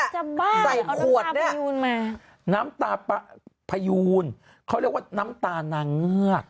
ใส่ขวดได้น้ำตาพยูนเขาเรียกว่าน้ำตานางเงือก